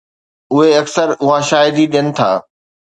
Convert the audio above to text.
اهي اڪثر اها شاهدي ڏين ٿا